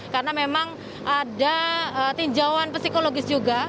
karena memang ada tinjauan psikologis juga